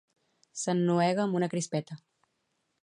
S'ennuega amb una crispeta